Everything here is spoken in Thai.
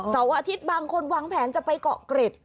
เสาร์อาทิตย์บางคนวางแผนจะไปเกาะเกร็ด